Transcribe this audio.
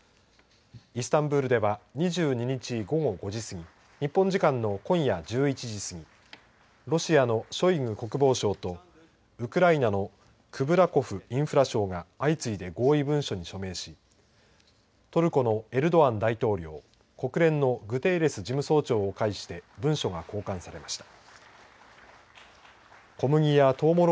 イスタンブールでは２２日、午後５時すぎ日本時間の今夜１１時過ぎロシアのショイグ国防相とウクライナのクブラコフ・インフラ相が相次いで合意文書に署名しトルコのエルドアン大統領国連のグテーレス事務総長を介して文書が交換されました。